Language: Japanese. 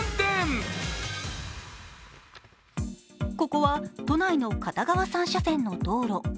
ここは都内の片側３車線の道路。